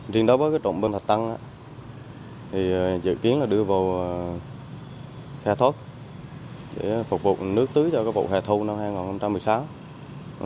trên đó có cái trộm bơm thạch tân thì dự kiến là đưa vô khe thốt để phục vụ nước tưới cho cái bộ khe thô năm hai nghìn một mươi sáu